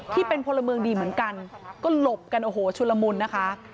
พลเมืองดีเหมือนกันก็หลบกันโอ้โหชุลมุนนะคะ